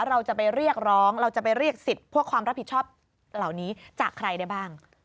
เราจะไปเรียกร้องเราจะไปเรียกสิทธิ์พวกความรับผิดชอบเหล่านี้จากใครได้บ้าง